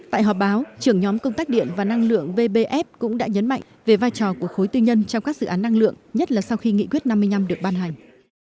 tại họp báo trưởng nhóm công tác điện và năng lượng vbf cũng đã nhấn mạnh về vai trò của khối tư nhân trong các dự án năng lượng nhất là sau khi nghị quyết năm mươi năm được ban hành